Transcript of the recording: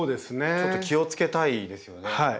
ちょっと気をつけたいですよね。